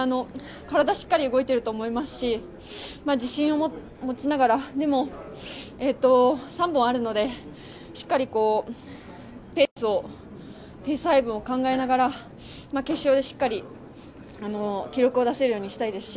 体はしっかり動いていると思いますし自信を持ちながらでも、３本あるのでしっかりペース配分を考えながら決勝でしっかり記録を出せるようにしたいですし。